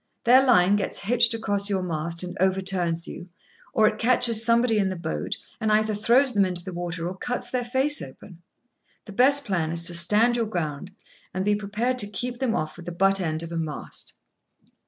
Their line gets hitched across your mast, and overturns you, or it catches somebody in the boat, and either throws them into the water, or cuts their face open. The best plan is to stand your ground, and be prepared to keep them off with the butt end of a mast.